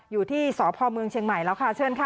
อยู่ที่ศพเชียงใหม่แล้วค่ะเชื่อนค่ะ